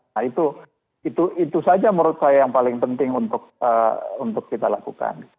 nah itu saja menurut saya yang paling penting untuk kita lakukan